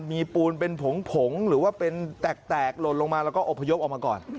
มีปูนเป็นผงผงหรือว่าเป็นแตกหล่นลงมาแล้วก็อบพยพออกมาก่อน